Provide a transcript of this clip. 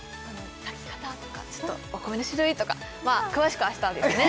炊き方とかちょっとお米の種類とかまあ詳しくは明日ですね